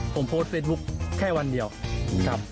ผมโพสต์เฟซบุ๊คแค่วันเดียวครับ